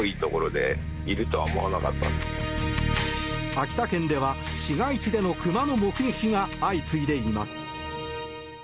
秋田県では、市街地でのクマの目撃が相次いでいます。